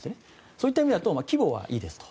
そういった意味だと規模はいいですと。